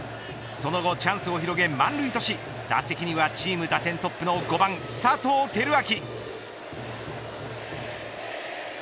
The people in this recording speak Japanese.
その後チャンスを広げ、満塁とし打席にはチーム打点トップの５番、佐藤輝明。